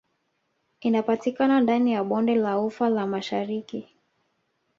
Inapatikana ndani ya Bonde la ufa la Mashariki